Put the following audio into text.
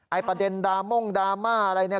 ไอ้ประเด็นดาม่องดมาอะไรเนี่ย